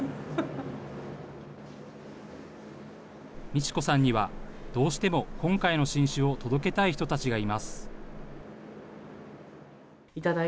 美智子さんには、どうしても今回の新酒を届けたい人たちがいます。